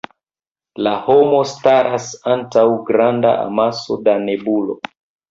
La homo staras antaŭ granda amaso da nebulo.